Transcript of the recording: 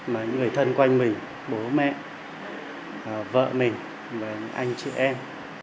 mà những người thân quanh mình bố mẹ vợ mình anh chị em